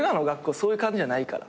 そういう感じじゃないから。